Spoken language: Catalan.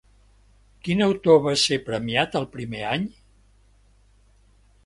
Quin autor va ser premiat el primer any?